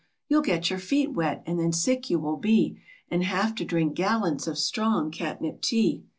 You'll get your feet wet, and then sick you will be, And have to drink gallons of strong catnip tea.